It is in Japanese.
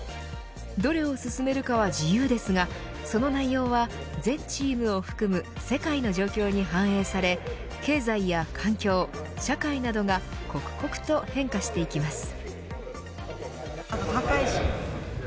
どれを進めるかは自由ですがその内容は、全チームを含む世界の状況に反映され経済や環境、社会などが刻々と変化していきます。